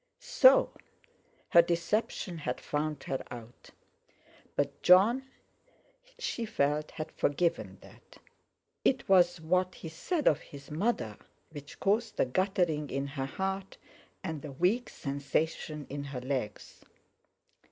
So! Her deception had found her out. But Jon—she felt—had forgiven that. It was what he said of his mother which caused the guttering in her heart and the weak sensation in her legs.